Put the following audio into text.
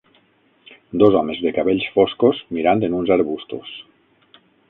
Dos homes de cabells foscos mirant en uns arbustos.